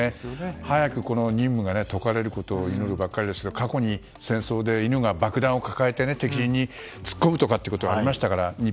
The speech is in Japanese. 早く任務が解かれることを祈るばかりですが過去に、戦争で犬が爆弾を抱えて敵に突っ込むということもありましたから。